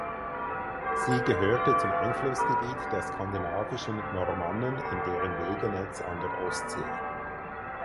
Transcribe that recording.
Sie gehörte zum Einflussgebiet der skandinavischen Normannen in deren Wegenetz an der Ostsee.